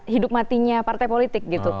hidup matinya partai politik gitu